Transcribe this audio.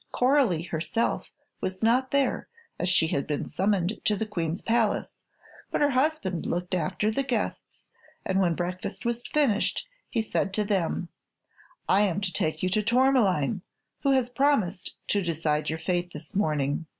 Coralie herself was not there, as she had been summoned to the Queen's palace, but her husband looked after the guests and when breakfast was finished he said to them: "I am to take you to Tourmaline, who has promised to decide your fate this morning.